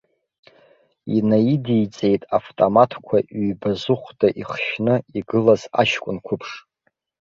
Инаидиҵеит автоматқәа ҩба зыхәда ихшьны игылаз аҷкәын қәыԥш.